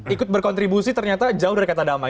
ikut berkontribusi ternyata jauh dari kata damai